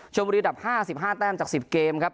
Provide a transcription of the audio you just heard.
โชบุรีดำห้าสิบห้าแต้มจากสิบเกมครับ